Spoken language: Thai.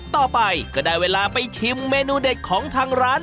ต่อไปก็ได้เวลาไปชิมเมนูเด็ดของทางร้าน